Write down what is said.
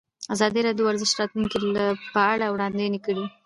ازادي راډیو د ورزش د راتلونکې په اړه وړاندوینې کړې.